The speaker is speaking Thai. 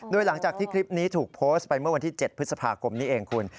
โดยหลังจากที่คลิปนี้ถูกโพสต์ไปเมื่อวันที่๗พฤษภาคมนี้เองคุณ